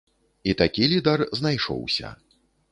І такі лідар знайшоўся.